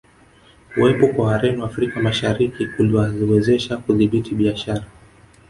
Kuwepo kwa Wareno Afrika Mashariki kuliwawezesha kudhibiti biashara